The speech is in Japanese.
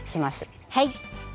はい。